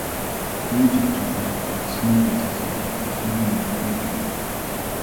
Гүйж очингуут удсан уу гэж асуутал эхнэр нь мэдэхгүй ээ гэнэ.